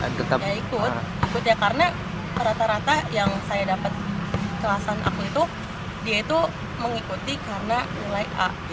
ikut ikut ya karena rata rata yang saya dapat kelasan aku itu dia itu mengikuti karena mulai a